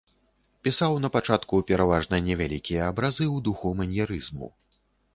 Пісаў напачатку пераважна невялікія абразы ў духу маньерызму.